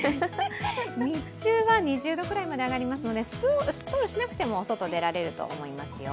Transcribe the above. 日中は２０度くらいまで上がりますので、ストールしなくても外に出られると思いますよ。